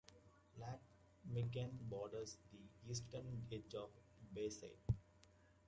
Lake Michigan borders the eastern edge of Bayside.